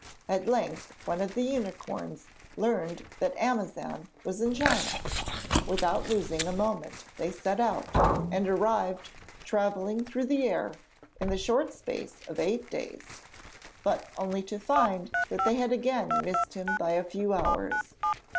At length one of the unicorns learned that Amazan was in China. Without losing a moment they set out, and arrived, travelling through the air, in the short space of eight days, but only to find that they had again missed him by a few hours.